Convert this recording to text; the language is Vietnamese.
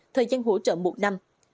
thời gian hỗ trợ một năm